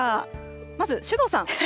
まず首藤さん。